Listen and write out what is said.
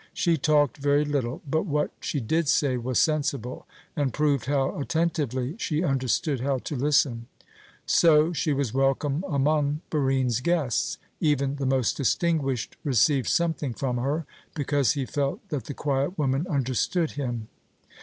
She talked very little, but what she did say was sensible, and proved how attentively she understood how to listen. So she was welcome among Barine's guests. Even the most distinguished received something from her, because he felt that the quiet woman understood him.